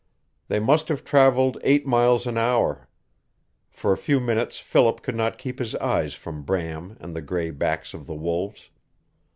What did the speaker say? They must have traveled eight miles an hour. For a few minutes Philip could not keep his eyes from Bram and the gray backs of the wolves.